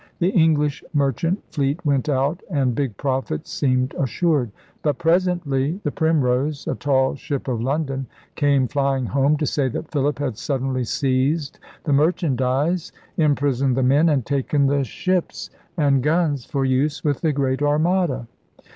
The English merchant fleet went out, and big profits seemed assured. But presently the Primrose, ' a tall ship of London, ' came flying home to say that Philip had suddenly seized the mer chandise, imprisoned the men, and taken the ships DRAKE CLIPS THE WINGS OF SPAIN 153 and guns for use with the Great Armada.